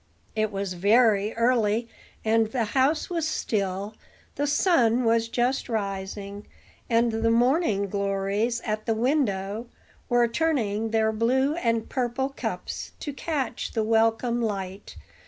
It was very early, and the house was still. The sun was just rising, and the morning glories at the window were turning their blue and purple cups to catch the welcome light.